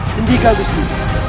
sendika agus ibu